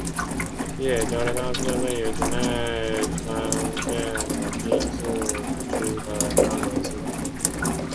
日野交流道是位于神奈川县横滨市南区的横滨横须贺道路之交流道。